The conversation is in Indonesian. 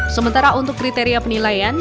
sementara untuk kriteria penilaian